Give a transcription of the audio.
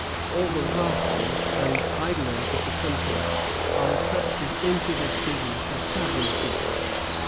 All the rascals and idlers of the country are attracted into this business of tavern keeping.